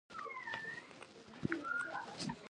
په افغانستان کې د تالابونه تاریخ اوږد دی.